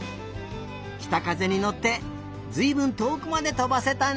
きたがせにのってずいぶんとおくまでとばせたね。